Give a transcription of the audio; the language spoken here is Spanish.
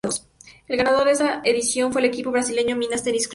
El ganador de esta edición fue el equipo brasileño Minas Tenis Clube.